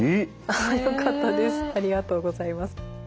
ありがとうございます。